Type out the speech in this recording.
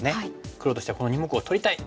黒としてはこの２目を取りたい！